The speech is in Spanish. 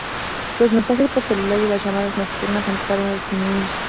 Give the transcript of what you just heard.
Los mensajes por celular y las llamadas nocturnas empezaron a disminuir.